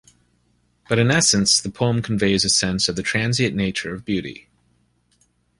But in essence the poem conveys a sense of the transient nature of beauty.